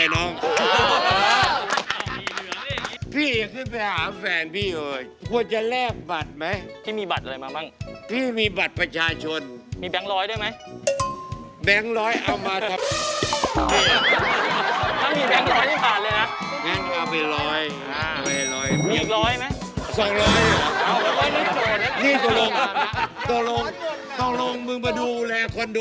นี่อากโว้ย